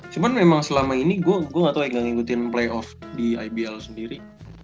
cuman memang selama ini gue nggak tau ya nggak ngikutin playoff di ibl sendiri